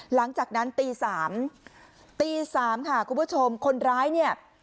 หลังจากนั้นตีสามตีสามค่ะคุณผู้ชมคนร้ายเนี่ย